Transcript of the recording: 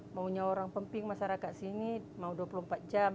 maunya orang pemping masyarakat sini mau dua puluh empat jam